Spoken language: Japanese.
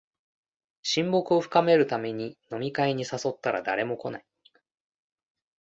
親睦を深めるために飲み会に誘ったら誰も来ない